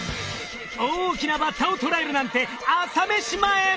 大きなバッタを捕らえるなんて朝飯前。